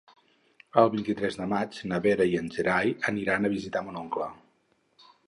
El vint-i-tres de maig na Vera i en Gerai aniran a visitar mon oncle.